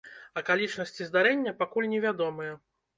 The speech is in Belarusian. Акалічнасці здарэння пакуль не вядомыя.